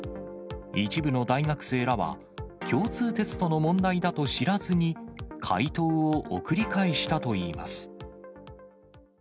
一部の大学生らは、共通テストの問題だと知らずに解答を送り返したといいます。